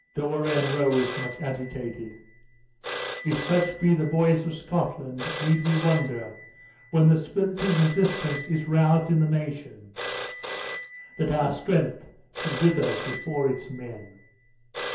De Warenne rose, much agitated: "If such be the boys of Scotland need we wonder, when the spirit of resistance is roused in the nation, that our strength should wither before its men?"